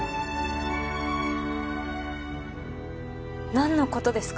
何のことですか？